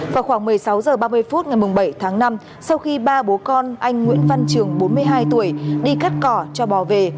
vào khoảng một mươi sáu h ba mươi phút ngày bảy tháng năm sau khi ba bố con anh nguyễn văn trường bốn mươi hai tuổi đi cắt cỏ cho bò về